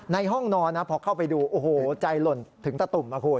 ในห้องนอนนะพอเข้าไปดูโอ้โหใจหล่นถึงตะตุ่มนะคุณ